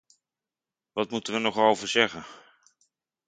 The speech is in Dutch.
Wat moeten we er nog over zeggen?